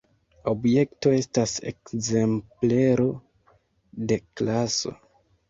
Objekto estas ekzemplero de klaso.